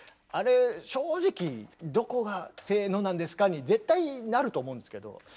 あれ正直「どこが『せの』なんですか？」に絶対なると思うんですけど。